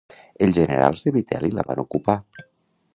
Els generals de Vitel·li la van ocupar.